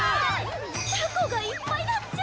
タコがいっぱいだっちゃ。